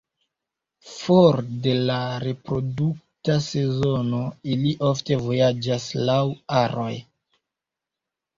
For de la reprodukta sezono, ili ofte vojaĝas laŭ aroj.